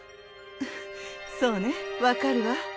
ふふっそうね分かるわ。